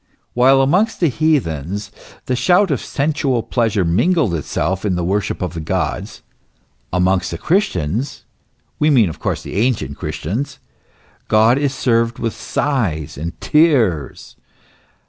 While amongst the heathens the shout of sensual pleasure mingled itself in the worship of the gods, amongst the Christians, we mean of course the ancient Christians, God is served with sighs and tears.